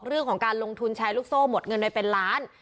เรื่องของการลงทุนแชร์ลูกโซ่หมดเงินไปเป็นล้าน